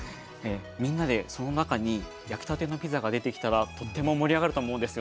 みんなでその中に焼きたてのピザが出てきたらとっても盛り上がると思うんですよね。